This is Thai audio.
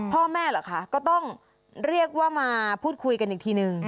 พ่อแม่เหรอคะก็ต้องเรียกว่ามาพูดคุยกันอีกทีนึง